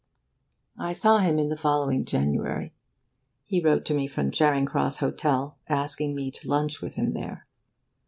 I saw him in the following January. He wrote to me from the Charing Cross Hotel, asking me to lunch with him there.